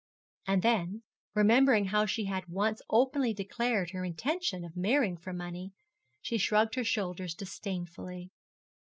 And then, remembering how she had once openly declared her intention of marrying for money, she shrugged her shoulders disdainfully.